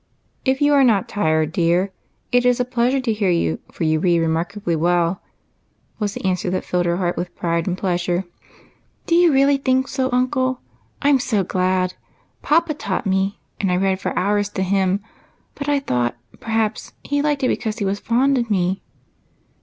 "If you are not tired, dear. It is a pleasure to hear you, for you read remarkably well," was the an swer that filled her heart with pride and pleasure. " Do you really think so, uncle ? I 'm so glad ! jDapa taught me, and I read for hours to him, but I thought, perhaps, he liked it because he was fond of me."